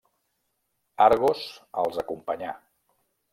Argos els acompanyà.